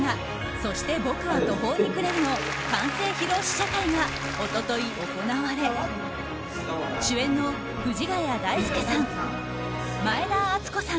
「そして僕は途方に暮れる」の完成披露試写会が一昨日行われ主演の藤ヶ谷大輔さん